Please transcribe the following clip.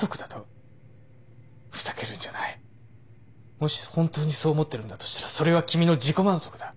もし本当にそう思ってるんだとしたらそれは君の自己満足だ。